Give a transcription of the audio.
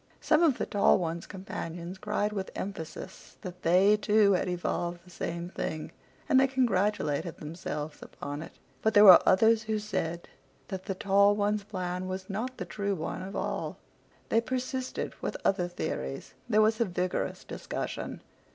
Some of the tall one's companions cried with emphasis that they, too, had evolved the same thing, and they congratulated themselves upon it. But there were others who said that the tall one's plan was not the true one at all. They persisted with other theories. There was a vigorous discussion.